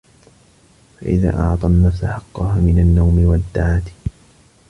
فَإِذَا أَعْطَى النَّفْسَ حَقَّهَا مِنْ النَّوْمِ وَالدَّعَةِ